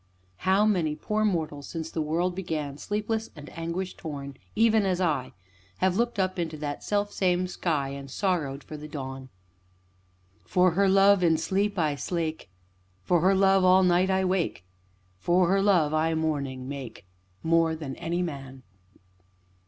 How many poor mortals, since the world began, sleepless and anguish torn even as I have looked up into that self same sky and sorrowed for the dawn! "For her love, in sleep I slake, For her love, all night I wake, For her love, I mourning make More than any man!"